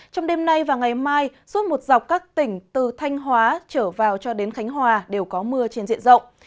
trong đêm nay và ngày mai suốt một dọc các tỉnh từ thanh hóa trở vào cho đến khánh hòa đều có mưa trên diện rộng